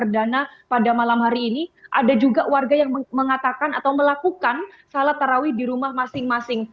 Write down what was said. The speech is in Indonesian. dana pada malam hari ini ada juga warga yang mengatakan atau melakukan salat tarawih di rumah masing masing